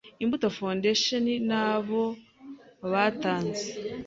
Imbuto Foundation nabo batanze